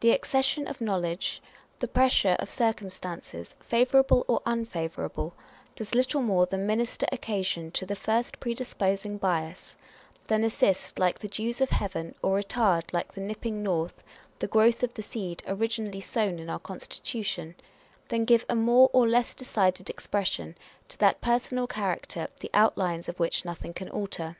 The accession of knowledge, the pressure of circumstances, favourable or unfavourable, does little more than minister occasion to the first predisposing bias â€" than assist, like the dews of heaven, or retard, like the nipping north, the growth of the seed originally sown in our constitution â€" than give a more or less decided expression to that personal character the outlines of which nothing can alter.